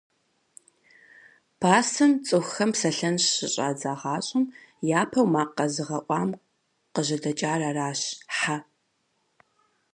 Пасэм, цӀыхухэм псэлъэн щыщӀадзагъащӀэм, япэу макъ къэзыгъэӀуам къыжьэдэкӀар аращ – Хьэ.